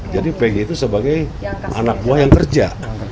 jadi peggy itu sebagai anak buah yang kerja